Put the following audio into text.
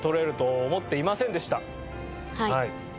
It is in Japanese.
はい。